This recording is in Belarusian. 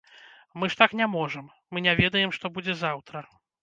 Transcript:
Мы ж так не можам, мы не ведаем, што будзе заўтра.